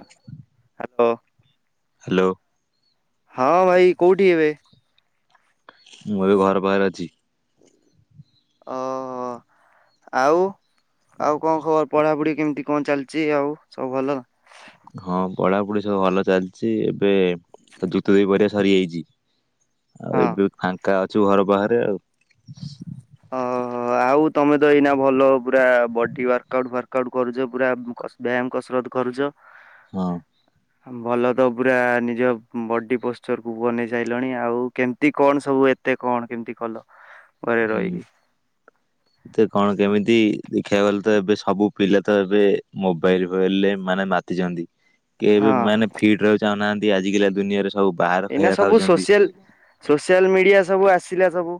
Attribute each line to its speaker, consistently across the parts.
Speaker 1: ଆଁ ଆଗ
Speaker 2: ହାଲୋ।
Speaker 1: ହଁ ଭାଇ କୋଉଠି ଏବେ?
Speaker 2: ମୁଁ ଏବେ ଘର ପାଖରେ ଅଛି।
Speaker 1: ଅହୋ। ଆଉ ଆଉ କଁ ଖବର୍ ପଢାପଢି କେମ୍ତି କଁ ଚାଲିଚି ଆଉ ସବୁ ଭଲ?
Speaker 2: ହଁ ପଢାପଢ଼ି ସବୁ ଭଲ ଚାଲିଚି ଏବେ ଯୁତ ଦୁଇ ପରୀକ୍ଷା ସରିଯାଇଚି। ଆଉ
Speaker 1: ହଁ।
Speaker 2: ଏବେ ଫାଙ୍କା ଅଛି ଘର ବାହାରେ ଆଉ।
Speaker 1: ଅହୋ। ଆଉ ତମେ ତ ଏଇନା ଭଲ ପୁରା ବଡ଼ି ୱାର୍କଆଉଟ୍ ଫାର୍କଆଉଟ୍ କରୁଚ ପୁରା କସ୍ ବ୍ୟାୟାମ୍ କସରତ କରୁଚ। [inaudible]
Speaker 2: ହଁ।
Speaker 1: [inaudible] ଭଲ ତ ପୁରା ନିଜ ବଡି ପୋଶ୍ଚର୍ କୁ ବନେଇ ସାଇଲଣି ଆଉ କେମ୍ତି କଣ ସବୁ ଏ। ତେ କଣ୍ କେମ୍ତି କଲ? ଘରେ
Speaker 2: ହୁଁ।
Speaker 1: [inaudible]
Speaker 2: ତେ କଣ କେମିତି ଦେଖିଆକୁ ଗଲେ ତ ଏବେ ସବୁ ପିଲା ତ ଏବେ ମୋବାଇଲ୍ ଫୋବାଇଲ୍ ରେ ମାନେ ମା ତିଛନ୍ତି କେ ଏବେ
Speaker 1: ହଁ
Speaker 2: ମାନେ ଫିଟ୍ ରହିଆକୁ ଚାହୁଁନାହାନ୍ତି ଆଜିକାଲିଆ ଦୁନିଆରେ ସବୁ ବାହାର ଖାଇଆ ଖାଉଛନ୍ତି।
Speaker 1: ସୋସିଆଲ୍ ମିଡିଆ ସବୁ ଆସିଲା ସବୁ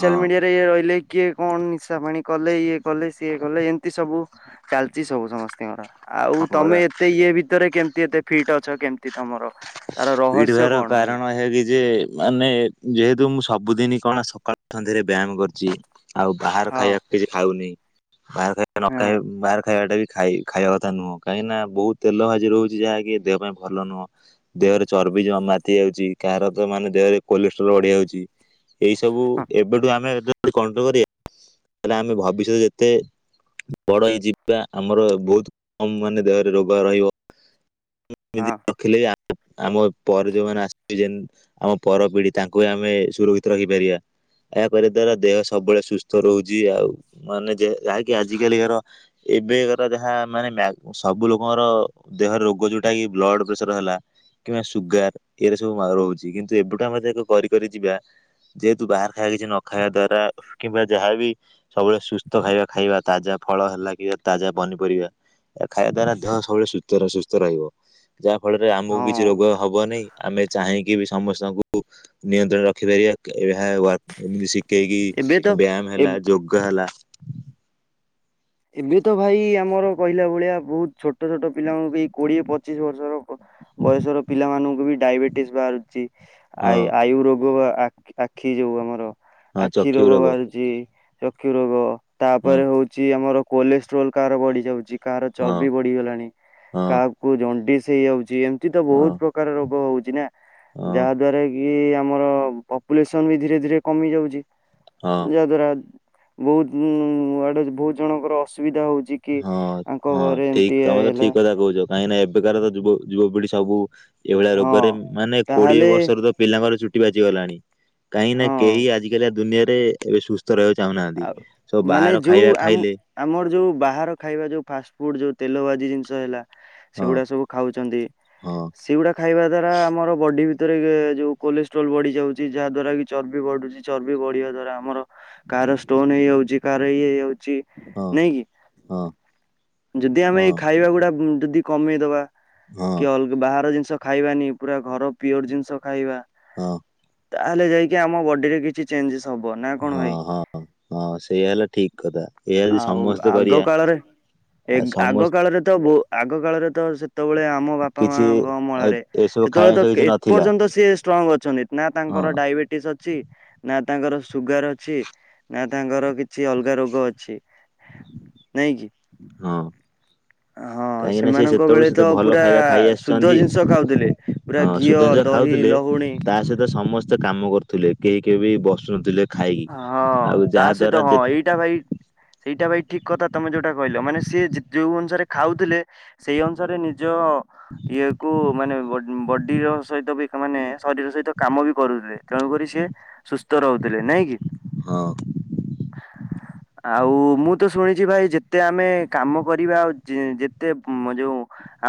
Speaker 2: ହଁ
Speaker 1: ମିଡିଆ [unintelligible] ରହିଲେ କିଏ କଁ ନିଶା ପାଣି କଲେ ଇଏ କଲେ ସିଏ କଲେ ଏମ୍ତି ସବୁ। ଚାଲଚି ସବୁ ସମସ୍ତିଙ୍କର ଆଉ
Speaker 2: ହଁ ପରା
Speaker 1: ତମେ ଏ ତେ ଇଏ ଭିତରେ କେମ୍ତି ଏତେ ଫିଟ୍ ଅଛ କେମ୍ତି ତମର ତାର
Speaker 2: ଫିଟ୍
Speaker 1: ରହସ୍ୟ
Speaker 2: ରହିବାର
Speaker 1: କଣ ଭାଇ
Speaker 2: କାରଣ ଏହିକି ଯେ ମାନେ ଯେହେତୁ ମୁଁ ସବୁଦିନି କଣ ସକାଳ ସନ୍ଧ୍ୟାରେ ବ୍ୟାୟାମ୍ କରୁଚି ଆଉ ବାହାର
Speaker 1: ହଁ
Speaker 2: ଖାଇଆ କିଛି ଖାଉନି ବାହାର୍ ଖାଇଆ ନ
Speaker 1: ହଁ
Speaker 2: ଖାଇଆକୁ ବାହାର୍ ଖାଇବା ଟା ବି ଖାଇ ଖାଇବା କଥା ନୁହଁ କାହିଁକିନା ବହୁ ତେଲ [unintelligible] ରହୁଛି ଯାହାକି ଦେହ ପାଇଁ ଭଲ ନୁହଁ। ଦେହରେ ଚର୍ବି ଜ ମାତି ଯାଉଛି କାହାର ତ ମାନେ ଦେହରେ କୋଲେଷ୍ଟ୍ରଲ ବଢି ଯାଉଚି। ଏଇ ସବୁ ଏବେଠୁ ଆମେ [unintelligible] କରିବା ତାହାଲେ ଆମେ ଭବିଷ୍ୟତରେ ଯେତେ ବଡ ହେଇ ଯିବା ଆମର ବହୁତ୍ କମ୍ ମାନେ ଦେହରେ ରୋଗ ରହିବ।
Speaker 1: ହଁ
Speaker 2: [unintelligible] ଆମ ପରେ ଯୋଉମାନେ ଆସିବେ ଯେନ୍ ଆମ ପର ପିଢି ତାଙ୍କୁ ଆମେ ସୁରକ୍ଷିତ ରଖି ପାରିବା। ଏହା କରିବା ଦ୍ୱାରା ଦେହ ସବୁବେଳେ ସୁସ୍ଥ୍ ତ ରହୁଛି ଆଉ ମାନେ ଯେ ଯାହାକି ଆଜିି କାଲିକାର ଏବେକାର ଯାହା ମାନେ ମ୍ୟା [unintelligible] ସବୁ ଲୋକଙ୍କର ଦେହ ରୋଗ ଯୋଉଟା କି ବ୍ଲଡ୍ ପ୍ରେସର ହେଲା କିମ୍ବା ସୁଗାର୍ ଏଇ ଉରା ମା ସବୁ ରହୁଛି କିନ୍ତୁ ଏବେଠୁ ଆମେ ତାକୁ କରି କରି ଯିବା ଯେହେତୁ ବାହାର୍ ଖାଇଆ କିଛି ନ ଖାଇବା ଦ୍ଵାରା କିମ୍ବା ଯାହାବି ସବୁବେଳେ ସୁସ୍ଥ ଖାଇବା ଖାଇବା ତାଜା ଫଳ ହେଲା କି [unintelligible] ତାଜା ପନିପରିବା ଏଆ ଖାଇଆ ଦ୍ୱାରା [unintelligible] ସବୁବେଳେ ସୁସ୍ଥ ର ସୁସ୍ଥ ରହିବ। ଯାହା ଫଳରେ ଆମୁକୁ କିଛି
Speaker 1: ହଁ
Speaker 2: ରୋଗ ହବନି ଆମେ ଚାହିଁକି ବିସ୍ ସମସ୍ତଙ୍କୁ ନିୟନ୍ତ୍ରଣ ରେ ରଖିପାରିବା କ ଏହା [unintelligible] ଏମିତି ଶିଖେଇକି
Speaker 1: ଏବେ ତ ଏ
Speaker 2: ଯୋଗା ହେଲା।
Speaker 1: ଏବେ ତ ଭାଇ ଆମର କହିଲା ଭଳିଆ ବହୁତ୍ ଛୋଟ ଛୋଟ ପିଲାଙ୍କୁ ବି କୋଡିଏ ପଚିଶି ବର୍ଷର ଓ ବୟସର ପିଲାମାନଙ୍କୁ ବି ଡାଇବେଟିସ୍ ବାହାରୁଚି। ଆ
Speaker 2: ହଁ
Speaker 1: ଆୟୁ ରୋଗ [unintelligible] ଆଖି ଆଖି ଯୋଉ ଆମର
Speaker 2: ହଁ
Speaker 1: ଆଖି
Speaker 2: ଚକ୍ଷୁ
Speaker 1: ରୋଗ ବାହାରୁଚି ଚକ୍ଷୁ ରୋଗ
Speaker 2: ହଁ
Speaker 1: ତାପରେ ହଉ ଚି ଆମର କୋଲେଷ୍ଟ୍ରୋଲ୍ କାଆର ବଢ଼ିଯାଉଚି କାହାର
Speaker 2: ହଁ
Speaker 1: ଚର୍ବି ବଢ଼ିଗଲାଣି
Speaker 2: ହଁ
Speaker 1: କାହା କୁ ଜଣ୍ଡିସ୍ ହେଇଯାଉଛି, ଏମିତି ତ
Speaker 2: ହଁ
Speaker 1: ବହୁତ୍ ପ୍ରକାର ରୋଗ ହଉଛି ନା।
Speaker 2: ହଁ
Speaker 1: ଯାହାଦ୍ୱାରା କି ଆମର ପପୁଲେସନ୍ ବି ଧୀରେ ଧୀରେ କମି ଯାଉଛି।
Speaker 2: ହଁ
Speaker 1: ଯାହାଦ୍ଵାରା ବହୁତ୍ ଉଁ ଆଡୁ ବହୁତ ଜଣଙ୍କର ଅସୁବିଧା ହଉଛି। କି
Speaker 2: ହଁ
Speaker 1: ଆଙ୍କ
Speaker 2: ହଁ
Speaker 1: ଘରେ ଏମିତି
Speaker 2: ଠିକ୍
Speaker 1: ଇଏ
Speaker 2: ତମେ ତ
Speaker 1: ହେଲା
Speaker 2: ଠିକ୍ କଥା କହୁଛ। କାହିଁକି ନା ଏବେକାର ତ ଯୁବ ଯୁବପିଢି ସବୁ ଏଇଭଳିଆ
Speaker 1: ହଁ
Speaker 2: ରୋଗରେ ମାନେ କୋଡିଏ
Speaker 1: ତାହେଲେ
Speaker 2: ବର୍ଷରେ ତ ପିଲାଙ୍କର ଚୁଟି ପାଚି ଗଲାଣି, କାହିଁକି ନା
Speaker 1: ହଁ
Speaker 2: କେହି ଆଜିକାଲି ଆ ଦୁନିଆରେ ଏବେ ସୁସ୍ ସ୍ଥ ରହିବାକୁ ଚାହୁଁନାହାନ୍ତି,
Speaker 1: ଆଉ
Speaker 2: ସବୁ
Speaker 1: ମାନେ
Speaker 2: ବାହାର
Speaker 1: ଯୋଉ
Speaker 2: ଖାଇବା
Speaker 1: ଆମ
Speaker 2: ଖାଇଲେ।
Speaker 1: ଆମର ଯୋଉ ବାହାର ଖାଇବା ଯୋଉ ଫାଷ୍ଟ ଫୁଡ଼ ଯୋଉ ତେଲ ଭାଜି ଜିନିଷ ହେଲା,
Speaker 2: ହଁ
Speaker 1: ସେଗୁଡ଼ା ସବୁ ଖାଉଛନ୍ତି।
Speaker 2: ହଁ
Speaker 1: ସେଗୁଡ଼ା ଖାଇବା ଦ୍ଵାରା ଆମର ବଡି ଭିତରେ ଯୋଉ କୋଲେଷ୍ଟ୍ରଲ ବଢିଯାଉଛି ଯାହାଦ୍ଵାରା କି ଚର୍ବି ବଢୁଛି, ଚର୍ବି ବଢିବା ଦ୍ଵାରା ଆମର କାହାର ଷ୍ଟୋନ୍ ହେଇଯାଉଛି, କାହାର ଇଏ ହେଇଯାଉଛି
Speaker 2: ହଁ
Speaker 1: ନାଇଁ କି?
Speaker 2: ହଁ।
Speaker 1: ଯଦି ଆମେ
Speaker 2: ହଁ
Speaker 1: ଏଇ ଖାଇବା ଗୁଡ଼ା ଉଁ ଯଦି କମେଇଦବା
Speaker 2: ହଁ।
Speaker 1: କି ଅଲ୍ଗ୍ ବାହାର ଜିନିଷ ଖାଇବାନି ପୁରା ଘର ପିଓର ଜିନିଷ ଖାଇବା।
Speaker 2: ହଁ
Speaker 1: ତାହେଲେ ଯାଇକି ଆମ ବଡିରେ କିଛି ଚେଞ୍ଜେସ୍ ହବ, ନା କଣ
Speaker 2: ହଁ
Speaker 1: ଭାଇ?
Speaker 2: ହଁ ହଁ ସେଇୟା ହେଲା ଠିକ୍ କଥା, ଏଇଆ ଯଦି ସମସ୍ତେ କରିବା ଆ
Speaker 1: ଏଗ୍
Speaker 2: ସମସ୍ତେ
Speaker 1: ଆଗକାଳରେ ତ ବୋ, ଆଗ କାଳରେ ତ ସେତୋବେଳେ ଆମ
Speaker 2: କିଛି
Speaker 1: ବାପାମାଆଙ୍କ
Speaker 2: ଏ
Speaker 1: ଅମଳରେ
Speaker 2: ଏସବୁ
Speaker 1: ସେତବେଳେ
Speaker 2: ଖାଇବା
Speaker 1: ତ
Speaker 2: ଜିନିଷ କିଛି
Speaker 1: ଏ
Speaker 2: ନଥିଲା
Speaker 1: ପର୍ଯ୍ୟନ୍ତ ସିଏ ଷ୍ଟ୍ରଙ୍ଗ ଅଛନ୍ତି ନା ତାଙ୍କର
Speaker 2: ହଁ
Speaker 1: ଡାଇବେଟିସ୍ ଅଛି ନା ତାଙ୍କର ସୁଗାର୍ ଅଛି, ନା ତାଙ୍କର କିଛି ଅଲଗା ରୋଗ ଅଛି। ନାଇଁକିି?
Speaker 2: ହଁ କାହିଁକି ନା ସେ
Speaker 1: ସେମାନଙ୍କ
Speaker 2: ସେତବେଳୁ
Speaker 1: ବେଳେ ତ
Speaker 2: ସେତେ ଭଲ
Speaker 1: ପୁରା
Speaker 2: ଖାଇବା ଖାଇ
Speaker 1: ଶୁଦ୍ଧ
Speaker 2: ଆସିଛନ୍ତି।
Speaker 1: ଜିନିଷ ଖାଉଥିଲେ। ପୁରା
Speaker 2: ହଁ
Speaker 1: ଘିଅ
Speaker 2: ସୁଦ୍ଧ ଜିନିଷ
Speaker 1: ଦହି
Speaker 2: ଖାଉଥିଲେ
Speaker 1: ଲହୁଣୀ
Speaker 2: ତା ସହିତ ସମସ୍ତେ କାମ କରୁଥିଲେ କେହି କେହିବି ବସୁନଥିଲେ। ଖାଇକି
Speaker 1: ହଁ
Speaker 2: ଆଉ
Speaker 1: ତା
Speaker 2: ଯାହା ଦ୍ଵାରା
Speaker 1: ସହିତ ହଁ
Speaker 2: ଯେ
Speaker 1: ଏଇଟା ଭାଇ ସେଇଟା ଭାଇ ଠିକ୍ କଥା ତମେ ଯୋଉଟା କହିଲ ମାନେ ସିଏ ଯେ ଯୋଉ ଅନୁସାରେ ଖାଉଥିଲେ ସେଇ ଅନୁସାରେ ନିଜ ଇଏକୁ ମାନେ ବ ବଡିର ସହିତ ବି ତାମାନେ ଶରୀର ସହିତ କାମବି କରୁଥିଲେ, ତେଣୁକରି ସିଏ ସୁସ୍ଥ ରହୁଥିଲେ, ନାଇଁ କିି?
Speaker 2: ହଁ
Speaker 1: [inaudible] ଆଉ ମୁଁ ତ ଶୁଣିଛି ଭାଇ ଯେତେ ଆମେ କାମ କରିବା ଆଉ ଯେ ଜେଁ ଯେତେ ମ୍ ଯୋଉ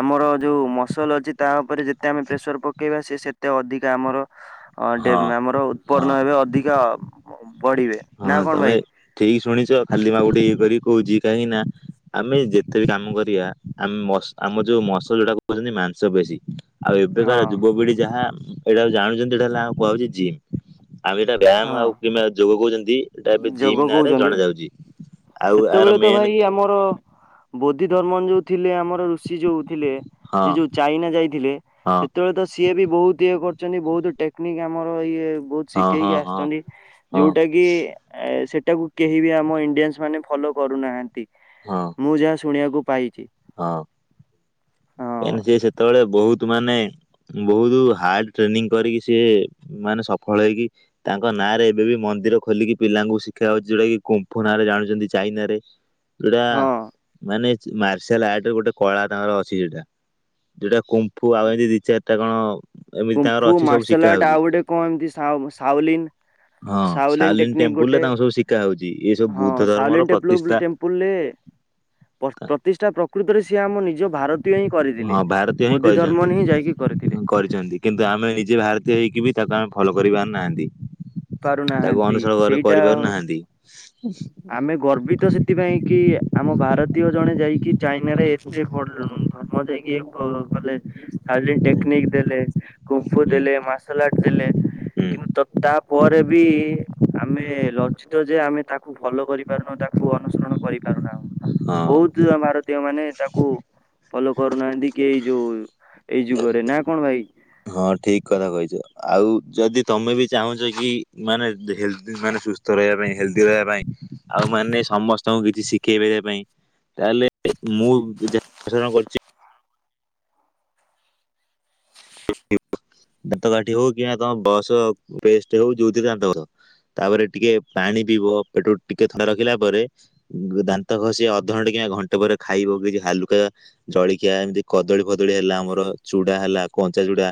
Speaker 1: ଆମର ଯୋଉ ମସଲ୍ ଅଛି ତା ଉପରେ ଯେତେ ଆମେ ପ୍ରେସର ପକେଇବା ସେ ସେତେ ଅଧିକା ଆମର ହଁ ଡେ ଆମର ଉତ୍ପନ୍ନ
Speaker 2: ହଁ
Speaker 1: ହେବେ ଅଧିକା ବଢିବେ।
Speaker 2: ହଁ
Speaker 1: ନା କଣ
Speaker 2: ତମେ
Speaker 1: ଭାଇ
Speaker 2: ଠିକ୍ ଶୁଣିଛ ଖାଲି ମା ଗୋଟେ ଇଏ କରି କହୁଛି କାହିଁକି ନା ଆମେ ଯେତେ ବି କାମ କରିବା ଆମ ମସ୍ ଆମ ଯୋଉ ମସଲ୍ ଯୋଉଟା କହୁଛନ୍ତି ମାଂସ ପେଶୀ ଆଉ ଏବେକାର
Speaker 1: ହଁ
Speaker 2: ଯୁବପିଢ଼ି ଯାହା ଏଇଟାକୁ ଜାଣୁଛନ୍ତି ଏଇଟା ହେଲା ଆଉ କୁହାହଉଛି ଜିମ୍। ଆମେ ସେଟା ବ୍ୟାୟାମ
Speaker 1: ହଁ
Speaker 2: ଆଉ କିମ୍ବା ଯୋଗ କହୁଛନ୍ତି ଏଇଟା ଏବେ ଜିମ୍
Speaker 1: ଯୋଗ
Speaker 2: ନାଁରେ
Speaker 1: କହୁଛନ୍ତି,
Speaker 2: ଜଣା ଯାଉଛି ଆଉ ଏହାର
Speaker 1: ସେତେବେଳେ ତ
Speaker 2: ମେନ୍
Speaker 1: ଭାଇ ଆମର ବୋଦ୍ଧି ଧର୍ମନ୍ ଯୋଉ ଥିଲେ ଆମର ଋଷି ଯୋଉ ଥିଲେ
Speaker 2: ହଁ
Speaker 1: ସିଏ ଯୋଉ ଚାଇନା ଯାଇଥିଲେ
Speaker 2: ହଁ
Speaker 1: ସେତେବେଳେ ତ ସିଏ ବି ବହୁତ ଇଏ କରିଛନ୍ତି ବହୁତ ଟେକ୍ନିକ୍ ଆମର ଇଏ ବହୁତ
Speaker 2: ହଁ
Speaker 1: ଶିଖେଇକି
Speaker 2: ହଁ
Speaker 1: ଆସିଛନ୍ତି,
Speaker 2: ହଁ ହଁ
Speaker 1: ଯୋଉଟା କି ଏ ସେଟାକୁ କେହି ବି ଆମ ଇଣ୍ଡିଆନ୍ସ ମାନେ ଫଲୋ କରୁନାହାନ୍ତି।
Speaker 2: ହଁ
Speaker 1: ମୁଁ ଯାହା ଶୁଣିବାକୁ ପାଇଛି
Speaker 2: ହଁ କାହିଁକି
Speaker 1: ହଁ
Speaker 2: ନା ସେ ସେତେବେଳେ ବହୁତ ମାନେ ବହୁତ ହାର୍ଡ ଟ୍ରେନିଂ କରିକି ସିଏ ମାନେ ସଫଳ ହେଇକି ତାଙ୍କ ନାଁରେ ଏବେ ବି ମନ୍ଦିର ଖୋଲିକି ପିଲାଙ୍କୁ ଶିଖା ହଉଛି ଯୋଉଟା କି କମ୍ଫୁ ନାଁ ରେ ଜାଣୁଛନ୍ତି ଚାଇନା ରେ।
Speaker 1: ହ [inaudible]
Speaker 2: ଯୋଉଟା ମାନେ ମାର୍ଶଲ ଆର୍ଟରେ ଗୋଟେ କଳା ତାଙ୍କର ଅଛି ଯୋଟା ଯୋଉଟା କୁ ପୁଅ ଆଉ ଏମିତି ଦି ଚାରିଟା କଣ ଏମିତି ତାଙ୍କର
Speaker 1: କୁମ୍ଫୁ
Speaker 2: ଅଛି ସବୁ ଶିଖା
Speaker 1: ମାର୍ଶାଲ ଆର୍ଟ
Speaker 2: ହଉଛି
Speaker 1: ଆଉ ଗୋଟେ କଣ ଏମିତି ସା ସାଉଲିନ୍
Speaker 2: ହଁ
Speaker 1: ସାଉଲିନ
Speaker 2: ସାଲିନ
Speaker 1: ଟେକ୍ନିକ
Speaker 2: ଟେମ୍ପୁଲରେ
Speaker 1: ଗୋଟେ
Speaker 2: ତାଙ୍କୁ ସବୁ ଶିଖା ହଉଛି ଏ ସବୁ
Speaker 1: ହଁ
Speaker 2: ବୁଦ୍ଧ ଧର୍ମର
Speaker 1: ସାଉଲି ଟେପଲ
Speaker 2: ପ୍ରତିଷ୍ଠା
Speaker 1: ପୁଲେ ପ୍ର ପ୍ରତିଷ୍ଠା ପ୍ରକୃତରେ ସିଏ ଆମ ନିଜ ଭାରତୀୟ ହିଁ କରିଥିଲେ
Speaker 2: ହଁ ଭାରତୀୟ
Speaker 1: ବୋଦ୍ଧି ଧର୍ମରେ ହିଁ ଯାଇକି କରିଥିଲେ
Speaker 2: ଚନ୍ତି କିନ୍ତୁ ଆମେ ନିଜେ ଭାରତୀୟ ହେଇକି ବି ତାକୁ ଆମେ ଫଲୋ କରିପାରୁ ନାହାନ୍ତି। ତାକୁ
Speaker 1: ପାରୁନାହାନ୍ତି
Speaker 2: ଅନୁସରଣ ଘର କରିପାରୁ ନାହାନ୍ତି।
Speaker 1: ହୁଁଁ ଆମେ ଗର୍ବିତ ସେଥିପାଇଁ କି ଆମ ଭାରତୀୟ ଜଣେ ଯାଇକି ଚାଇନା ରେ ଏତେ ଧର୍ମ ଯାଇକି କ ଗଲେ ସାଉନି
Speaker 2: ହୁଁ
Speaker 1: ଟେକ୍ନିକ୍ ଦେଲେ କୁମ୍ଫୁ
Speaker 2: ହୁଁ
Speaker 1: ଦେଲେ ମାର୍ଲଆର୍ଟ ଦେଲେ
Speaker 2: ହୁଁ
Speaker 1: କିନ୍ତୁ ତ ତାପରେ ବି ଆମେ ଲଜିତ ଯେ ଆମେ ତାକୁ ଫୋଲୋ କରିପାରୁନାହୁ ତାକୁ ଅନୁସରଣ କରିପାରୁନହୁ।
Speaker 2: ହଁ
Speaker 1: ବହୁତମାରତୀୟ ମାନେ ତାକୁ ଫଲୋ କରୁନାହାନ୍ତି କି ଏଇ ଯୋଉ ଏଇ ଯୁଗରେ ନା କଣ ଭାଇ?
Speaker 2: ହଁ ଠିକ କଥା କହିଛ ଆଉ ଯଦି ତମେ ବି ଚାହୁଁଛ କି ମାନେ ହେଲେ - ମାନେ ସୁସ୍ଥ ରହିବା ପାଇଁ ହେଲ୍ଦି ରହିବା ପାଇଁ ଆଉ ମାନେ ସମସ୍ତଙ୍କୁ କିଛି ଶିଖେଇ ପାରିବା ପାଇଁ ତାହେଲେ ମୁଁସଣ କରିଛି ଦନ୍ତ କାଠି ହଉ କି ତମ ବସ ପେଷ୍ଟେ ହଉ ଯାଉଥିରେ ଦାନ୍ତ ଘସ ତାପରେ ଟିକେ ପାଣି ପିଇବ ପେଟ ଟିକେ ଥଳା ରଖିଲା ପରେ ଦାନ୍ତ ଘଷି ଅଧଘଣ୍ଟା କିମ୍ବା ଘଣ୍ଟେ ପରେ ଖାଇବ କିଛି ହାଲୁକା ଜଳଖିଆ ଏମିତି କଦଳୀ ଫଦଳୀ ହେଲା ଆମର ଚୁଡା ହେଲା କଞ୍ଚା ଚୁଡା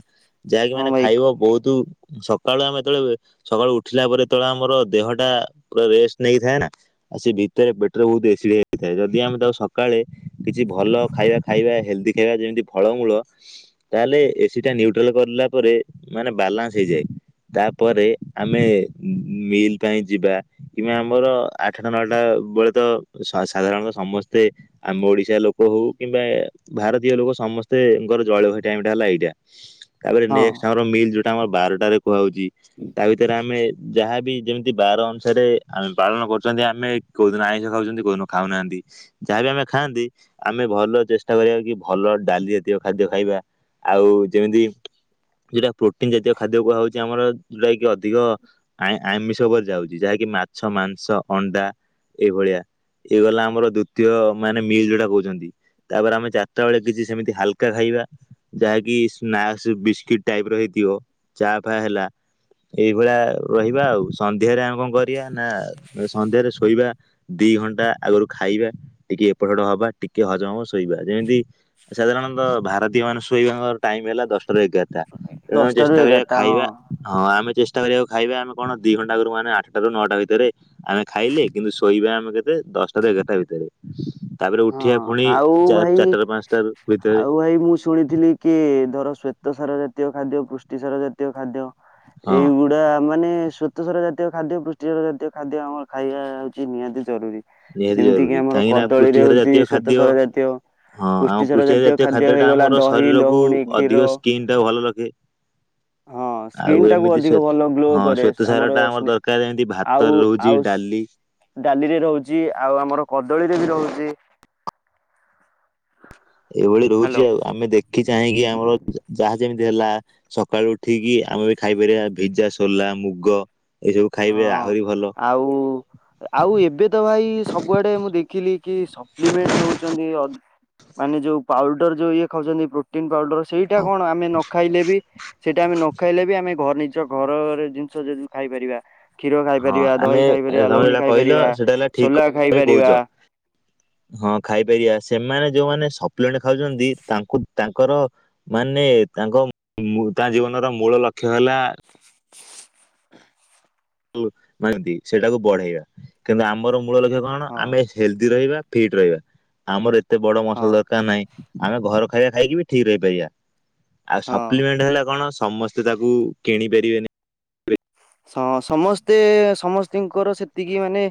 Speaker 2: ଯାହାକି
Speaker 1: ହଁ
Speaker 2: ମାନେ
Speaker 1: ଭାଇ
Speaker 2: ଖାଇବ ବହୁତ ସକାଳୁ ଆମେ ଯେତେବେଳେ ସକାଳୁ ଉଠିଲା ପରେ ଯେତେବେଳେ ଆମର ଦେହ ଟା ପୁରା ରେଷ୍ଟ ନେଇଥାଏ ନା ଆଉ ସେ ଭିତରେ ପେଟରେ ବହୁତ ଏସିଡି ହେଥାଏ ଯଦି ଆମେ ତାକୁ ସକାଳେ କିଛି ଭଲ ଖାଇବା ଖାଇବା ହେଲ୍ଦି ଖାଇବା ଯେମିତି ଫଳମୂଳ ତାହେଲେ ଏସି ଟା ନ୍ୟୁଟ୍ରାଲ କରିଲଲା ପରେ ମାନେ ବାଲାନ୍ସ ହେଇଯାଏ। ତାପରେ ଆମେ ମିଲ୍ ପାଇଁ ଯିବା କିମ୍ବା ଆମର ଆଠଟା ନଅଟା ବେଳେ ତ ସାଧାରଣତଃ ସମସ୍ତେ ଆମ ଓଡିଶା ଲୋକ ହଉ କିମ୍ବା ଭାରତୀୟ ଲୋକ ସମସ୍ତେଙ୍କର ଜଳ ଭୟ ଟାଇମ ଟା ହେଲା ଏଇଟା ତାପରେ
Speaker 1: ହଁ
Speaker 2: ନେକ୍ଟ ଆମର ମିଲ୍ ଯୋଉଟା ଆମ ବାରଟରେ କୁହାଉଛି। ତା ଭିତରେ ଆମେ ଯାହାବ ଯେମିତି ବାର ଅନୁସାରେ ଆମେ ପାଳନ କରୁଛନ୍ତି ଆମେ କୋଉଦିନ ଆଇଁଷ ଖାଉଛନ୍ତି କୋଉଦିନ ଖାଉନାହାନ୍ତି। ଯାହାବି ଆମେ ଖାଆନ୍ତି ଆମେ ଭଲ ଚେଷ୍ଟା କରିବା କି ଭଲ ଡାଲି ଜାତୀୟ ଖାଦ୍ୟ ଖାଇବା ଆଉ ଯେମିତି ଯୋଉଟା ପ୍ରୋଟିନ ଜାତୀୟ ଖାଦ୍ୟ କୁହା ହାଉଉଛି ଆମର ଯୋଉଟା କି ଅଧିକ ଆ ଆମିଷ ଉପରେ ଯାଉଛି ଯାହାକି ମାଛ ମାଂସ ଅଣ୍ଡା ଏଇଭଳିଆ ଏଇ ଗଲା ଆମର ଦ୍ଵିତୀୟ ମାନେ ମିଲ୍ ଯୋଉଟା କହୁଛନ୍ତି। ତାପରେ ଆମେ ଚାରିଟା ବେଳେ କିଛି ସେମିତି ହାଲକା ଖାଇବା ଯାହାକି ସ୍ନାକ୍ସ ବିସ୍କିଟ ଟାଇପ ର ହେଇଥିବ ଚା ଫା ହେଲା ଏଇଭଳିଆ ରହିବା ଆଉ। ସନ୍ଧ୍ୟାରେ ଆମେ କଣ କରିବା ନା ସନ୍ଧ୍ୟାରେ ଶୋଇବା ଦି ଘଣ୍ଟା ଆଗରୁ ଖାଇବା ଟିକେ ଏପଟସେପଟ ହବା ଟିକେ ହଜମ ହବ ଶୋଇବା ଯେମିତି ସାଧାରଣତଃ ଭାରତୀୟ ମାନେ ଶଇବା ଙ୍କର ଟାଇମ ହେଲା ଦଶଟାରୁ ଏଗାର ଟା ତେଣୁ
Speaker 1: ଦଶଟାରୁ
Speaker 2: ଚେଷ୍ଟା କରିବା
Speaker 1: ଏଗାରଟା
Speaker 2: ଖାଇବା
Speaker 1: ହଁ।
Speaker 2: ହଁ ଆମେ ଚେଷ୍ଟା କରିବାକୁ ଖାଇବା ଆମେ କଣ ଦି ଘଣ୍ଟା କରୁ ମାନେ ଆଠଟାରୁୁ ନଅଟା ଭିତରେ ଆମେ ଖାଇଲେ କିନ୍ତୁ ଶୋଇବା ଆମେ କେତେ ଦଶଟାରୁ ଏଗାରଟା ଭିତରେ ତାପରେ
Speaker 1: ହଁ
Speaker 2: ଉଠିବା ପୁଣି
Speaker 1: ଆଉ
Speaker 2: ଚାର
Speaker 1: ଭାଇ
Speaker 2: ଚାରିଟାରୁ ପାଞ୍ଚଟା ଭିତରେ
Speaker 1: ଆଉ ଭାଇ ମୁଁ ଶୁଣିଥିଲି କି ଧର ଶ୍ଵେତ ସାର ଜାତୀୟ ଖାଦ୍ୟ ପୁଷ୍ଟି ସାର ଜାତୀୟ ଖାଦ୍ୟ
Speaker 2: ହଁ
Speaker 1: ଏଇଗୁଡା ମାନେ ସ୍ୱେତସର ଜାତୀୟ ଖାଦ୍ୟ, ପୃଷ୍ଟିସର ଜାତୀୟ ଖାଦ୍ୟ, ଆମର ଖାଇବା ହଉଛି ନିହାତି ଜରୁରୀ।
Speaker 2: ନିହାତି
Speaker 1: ଯେମିତି କିି
Speaker 2: ଜରୁରୀ
Speaker 1: ଆମର
Speaker 2: କାହିଁକି ନା
Speaker 1: କଦଳୀରେ
Speaker 2: ପୃଷ୍ଟିସାର
Speaker 1: ହଉଛି
Speaker 2: ଜାତୀୟ
Speaker 1: ଶ୍ଵେତ
Speaker 2: ଖାଦ୍ୟ
Speaker 1: ଶାର ଜାତୀୟ
Speaker 2: ହଁ ଆମ
Speaker 1: ପୁଷ୍ଟିଶାର
Speaker 2: ପୃଷ୍ଟିଆ
Speaker 1: ଜାତୀୟ ଖାଦ୍ୟ
Speaker 2: ଟା
Speaker 1: ହେଇଗଲା
Speaker 2: ଆମର
Speaker 1: ଦହି
Speaker 2: ଶରୀରକୁ
Speaker 1: ଲହୁଣୀ କ୍ଷୀର
Speaker 2: ଅଧିକ ସ୍କିନ୍ ଟା ଭଲ ରଖେ।
Speaker 1: ହଁ
Speaker 2: ଆଉ
Speaker 1: ସ୍କିନ୍ ଟାକୁ
Speaker 2: ଏମିତି ଶ୍ୱେ
Speaker 1: ଅଧିକ ଭଲ ଗ୍ଲୋ
Speaker 2: ହଁ
Speaker 1: କରେ
Speaker 2: ଶ୍ୱେତସାର
Speaker 1: ଆମର
Speaker 2: ଟା
Speaker 1: ସ୍ନେ
Speaker 2: ଦରକାର ଏମିତି
Speaker 1: ଆଉ
Speaker 2: ଭାତରେ ରହୁଛି
Speaker 1: ଆଉ ଶ୍
Speaker 2: ଡାଲି
Speaker 1: ଡାଲିରେ ରହୁଛି ଆଉ ଆମର କଦଳୀରେ ବି ରହୁଛି। [inaudible]
Speaker 2: ଏଇଭଳି ରହୁଛି
Speaker 1: ହ୍ୟାଲୋ।
Speaker 2: ଆଉ ଆମେ ଦେଖି ଚାହିଁକି ଆମର ଯାହା ଯେମିତି ହେଲା ସକାଳୁ ଉଠିକି ଆମେ ବି ଖାଇପାରିବା ଭିଜା ସୋଲା ମୁଗ ଏସବୁ ଖାଇବେ
Speaker 1: ହଁ
Speaker 2: ଆହୁରି ଭଲ
Speaker 1: ଆଉ। ଆଉ ଏବେ ତ ଭାଇ ସବୁଆଡେ ମୁଁ ଦେଖିଲି କି ସପ୍ଲିମେଣ୍ଟ ନଉଛନ୍ତି ଅ ମାନେ ଯୋଉ ପାଉଡର ଯୋଉ ଇଏ ଖାଉଛନ୍ତି ପ୍ରୋଟିନ ପାଉଡର ସେଇଟା
Speaker 2: ହଁ
Speaker 1: କଣ ଆମେ ନ ଖାଇଲେ ବି ସେଇଟା ଆମେ ନ ଖାଇଲେ ବି ଆମେ ଘର ନି ନିଜ ଘରରେ ଜିନିଷ ଯଦି ଖାଇପାରିବା କ୍ଷୀର
Speaker 2: ହଁ
Speaker 1: ଖାଇପାରିବା ଦହି
Speaker 2: ଆମେ
Speaker 1: ଖାଇପାରିବା
Speaker 2: ତମେ
Speaker 1: ଲଉଣୀ
Speaker 2: ଯୋଉଟା କହିଲ
Speaker 1: ଖାଇପାରିବା
Speaker 2: ସେଇଟା ହେଲା ଠିକ
Speaker 1: ସୋଲା
Speaker 2: କଥା କହୁଛ
Speaker 1: ଖାଇପାରିବା
Speaker 2: ହଁ ଖାଇପାରିବା ସେମାନେ ଯୋଉମାନେ ସପ୍ଲିମେଣ୍ଟ ଖାଉଛନ୍ତି ତାଙ୍କୁ ତାଙ୍କର ମାନେ ତାଙ୍କ ମୁ ତା ଜୀବନର ମୂଳ ଲକ୍ଷ୍ୟ ହେଲା
Speaker 1: [inaudible]
Speaker 2: [unintelligible] ମନ୍ତି ସେଇଟାକୁ ବଢେଇବା କିନ୍ତୁ ଆମର ମୂଳ ଲକ୍ଷ୍ୟ କଣ
Speaker 1: ହଁ
Speaker 2: ଆମେ ହେଲଦି ରହିବା ଫିଟ ରହିବା ଆମର ଏତେ ବଡ
Speaker 1: ହଁ
Speaker 2: ମସଲ ଦରକାର ନାହିଁ। ଆମେ ଘର ଖାଇବା ଖାଇକି ବି ଠିକ ରହିପାରିବା ଆଉ
Speaker 1: ହଁ।
Speaker 2: ସପ୍ଲିମେଣ୍ଟ ହେଲା କଣ ସମ ସ୍ତେ ତାକୁ କିଣି ପାରିବେନି।
Speaker 1: ହଁ ସମସ୍ତେ ସମସ୍ତିଙ୍କର ସେତିକି ମାନେ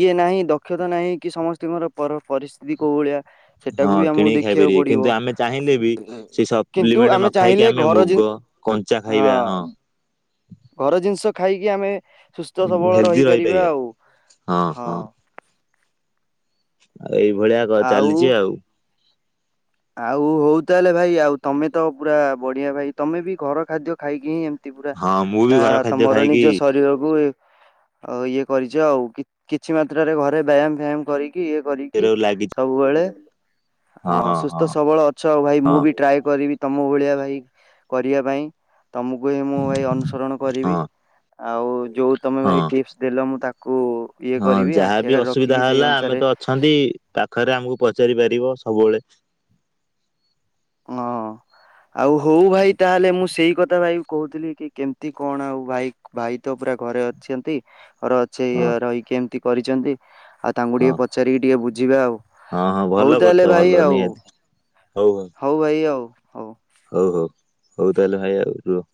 Speaker 1: ଇଏ ନାହିଁ ଦକ୍ଷତା ନାହିଁ କି ସମସ୍ତଙ୍କର ପର ପରିସ୍ଥିତି କୋଉ ଭଳିଆ ସେଟାକୁ
Speaker 2: ହଁ
Speaker 1: ବି ଆମକୁ
Speaker 2: କିଣିକି
Speaker 1: ଦେଖିବାକୁ
Speaker 2: ଖାଇପାରିବେ
Speaker 1: ପଡିବ।
Speaker 2: କିନ୍ତୁ ଆମେ ଚାହିଁଲେ ବି ସେ
Speaker 1: କିନ୍ତୁ
Speaker 2: ସପ୍ଲିମେଣ୍ଟ
Speaker 1: ଆମେ
Speaker 2: ନ ଖାଇକି
Speaker 1: ଚାହିଁଲେ
Speaker 2: ଆମେ
Speaker 1: ଘର ଜି
Speaker 2: ମୁଗ କଞ୍ଚା ଖାଇବା ହଁ।
Speaker 1: ଘର ଜିନିଷ ଖାଇକି ଆମେ ସୁସ୍ଥ ସବଳ ରହିପାରିବା ଆଉ ହଁ।
Speaker 2: ଆଉ ଏଇଭଳିଆ ଗ ଚାଲିଚି ଆଉ।
Speaker 1: ଆଉ ହଉ ତାହେଲେ ଭାଇ ଆଉ ତମେ ତ ପୁରା ବଢିଆ ଭାଇ ତମେ ବି ଘର ଖାଦ୍ୟ ଖାଇକି ହିଁ ତି ପୁରା
Speaker 2: ହଁ ମୁଁ ବି
Speaker 1: ଆ
Speaker 2: ଘର ଖାଦ୍ୟ
Speaker 1: ତମର
Speaker 2: ଖାଇକି
Speaker 1: ନିଜ ଶରୀର କୁ ଇଏ କରିଛ ଆଉ କିଛି ମାତ୍ରରେ ଘରେ ବ୍ୟାୟାମ ଫ୍ୟାୟାମ କରି ଇଏ କରିକି
Speaker 2: ଲାଗିଛି
Speaker 1: ସବୁବେଳେ ହଁ ସୁସ୍ଥ୍ ସୁସ୍ଥ ସବଳ ଅଛ ଆଉ ଭାଇ
Speaker 2: ହଁ
Speaker 1: ମୁଁ
Speaker 2: ହଁ
Speaker 1: ବି ଟ୍ରାଏ କରିବି ତମ ଭଳିଆ ଭାଇ କରିବା ପାଇଁ ତମକୁ ହିଁ ମୁଁ ଭାଇ ଅନୁସରଣ କରିବି
Speaker 2: ହଁ
Speaker 1: ଆଉ ଯୋଉ ତମେ
Speaker 2: ହଁ।
Speaker 1: ଭାଇ ଟିପସ ଦେଲ ମୁଁ ତାକୁ ଇଏ
Speaker 2: ହଁ
Speaker 1: କରିବି ଆଖି
Speaker 2: ଯାହାବି
Speaker 1: ଆଗରେ
Speaker 2: ଅସୁବିଧା
Speaker 1: ରଖିକି ସେଇ
Speaker 2: ହେଲା ଆମେ
Speaker 1: ଅନୁସାରେ
Speaker 2: ତ ଅଛନ୍ତି ପାଖରେ ଆମକୁ ପଚାରି ପାରିବ ସବୁବେଳେ।
Speaker 1: ହଁ। ଆଉ ହଉ ଭାଇ ତାହେଲେ ମୁଁ ସେଇ କଥା ଭାଇ କ କହୁଥିଲି କି କେମିତି କଣ ଆଉ ଭାଇ ଭାଇ ତ ପୁରା ଘରେ ଅଛନ୍ତି ଘର ସେ
Speaker 2: ହଁ
Speaker 1: ରହିକି ଏମିତି କରିଛନ୍ତି ଆଉ ତାଙ୍କୁ
Speaker 2: ହଁ
Speaker 1: ଟିକେ ପଚାରିକି ଟିକେ ବୁଝିବା ଆଉ।
Speaker 2: ହଁ ହଁ
Speaker 1: ହଉ
Speaker 2: ଭଲ
Speaker 1: ତାହେଲେ
Speaker 2: କରୁଛ
Speaker 1: ଭାଇ
Speaker 2: ଭଲ
Speaker 1: ଆଉ
Speaker 2: ନିହାତି ହଉ ହଉ।
Speaker 1: ହଉ ଭାଇ ଆଉ। ହଉ।
Speaker 2: ହଉ ହଉ ହଉ ତାହେଲେ ଭାଇ ଆଉ ରହୁଛୁ।